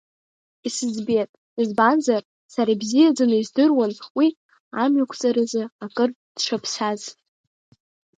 Исыӡбеит, избанзар сара ибзиаӡаны издыруан уи амҩақәҵаразы акыр дшаԥсаз.